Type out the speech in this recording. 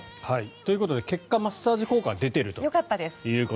ということで結果、マッサージ効果は出ているということです。